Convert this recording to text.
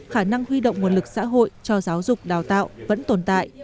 khả năng huy động nguồn lực xã hội cho giáo dục đào tạo vẫn tồn tại